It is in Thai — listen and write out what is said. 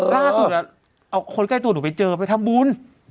ล่าสุดเอาคนใกล้ตัวหนูไปเจอไปทำบุญ